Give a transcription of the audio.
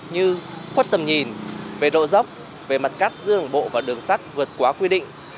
như khuất tầm nhìn về độ dốc về mặt cắt giữa đường bộ và đường sắt vượt quá quy định